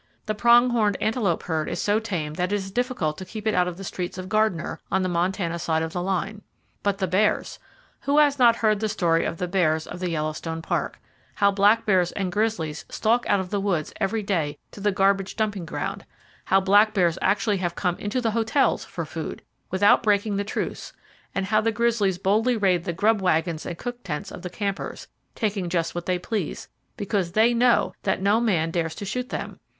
The prong horned antelope herd is so tame that it is difficult to keep it out of the streets of Gardiner, on the Montana side of the line. But the bears! Who has not heard the story of the bears of the Yellowstone Park,—how black bears and grizzlies stalk out of the woods, every day, to the garbage dumping ground; how black bears actually have come into the hotels for food, without breaking the truce, and how the grizzlies boldly raid the grub wagons and cook tents of campers, taking just what they please, because they know that no man dares to shoot them!